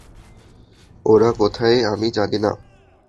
ওরা কোথায় আমি জানি না।